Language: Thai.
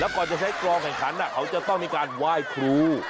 ก่อนจะใช้กรองแข่งขันเขาจะต้องมีการไหว้ครู